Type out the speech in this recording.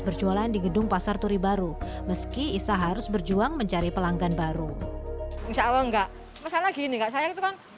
berjualan di gedung pasar turi baru meski isha harus berjuang mencari pelanggan baru bisa enggak